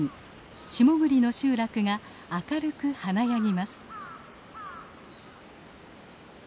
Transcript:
下栗の集落が明るく華やぎます。